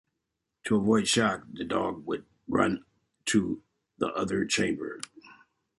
To avoid shock, the dog would run to the other chamber.